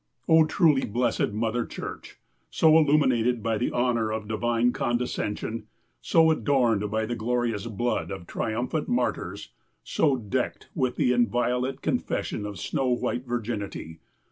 O truly blessed Mother Church ! so illuminated by the honor of divine condescension, so adorned by the glorious blood of triumphant martyrs, so decked with the inviolate confession of snow white virginity